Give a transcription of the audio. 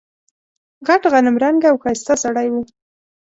غټ غنم رنګه او ښایسته سړی و.